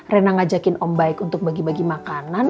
reina ngajakin om baik bagi bagi makanan